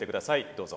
どうぞ。